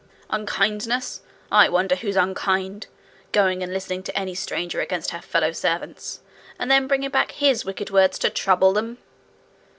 'Unkindness! I wonder who's unkind! Going and listening to any stranger against her fellow servants, and then bringing back his wicked words to trouble them!'